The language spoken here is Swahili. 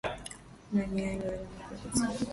Na ni yale yale mapenzi